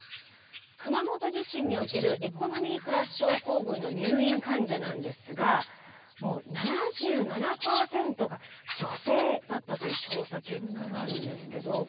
熊本地震におけるエコノミークラス症候群の入院患者なんですが７７％が女性だったという調査結果があるんですけど。